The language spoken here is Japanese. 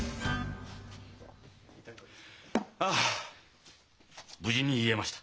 あ無事に言えました。